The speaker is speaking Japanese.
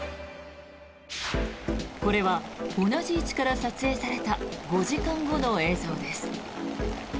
これは同じ位置から撮影された５時間後の映像です。